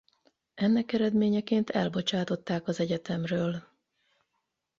Ennek eredményeként elbocsátották az egyetemről.